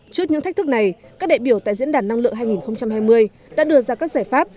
trước những thách thức này các đại biểu tại diễn đàn năng lượng hai nghìn hai mươi đã đưa ra các giải pháp